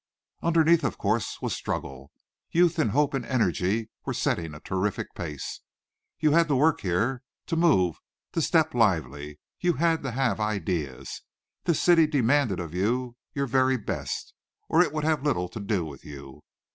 Underneath, of course, was struggle. Youth and hope and energy were setting a terrific pace. You had to work here, to move, to step lively. You had to have ideas. This city demanded of you your very best, or it would have little to do with you.